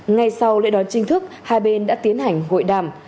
ngay sau lễ đón chính thức hai bên đã tiến hành hội đàm